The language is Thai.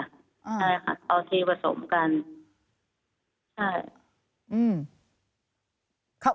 ใช่ค่ะเอาทีผสมกัน